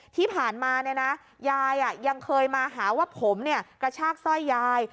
ที่ผ่านมายายยังเคยมาหาว่าผมกระชากสร้อยยาย